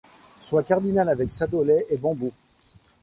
Sois cardinal avec Sadolet et Bembo ;